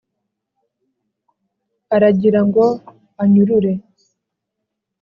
aragira ngo anyurure